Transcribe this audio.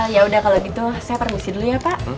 ya udah kalau gitu saya pergusi dulu ya pak